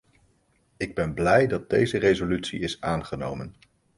Ik ben blij dat deze resolutie is aangenomen.